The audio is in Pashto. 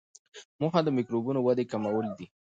موخه د میکروبونو ودې کمول وي.